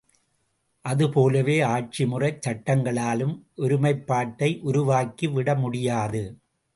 அது போலவே ஆட்சிமுறைச் சட்டங்களாலும் ஒருமைப்பாட்டை உருவாக்கி விடமுடியாது.